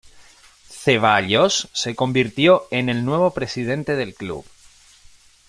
Cevallos se convirtió en el nuevo presidente del club.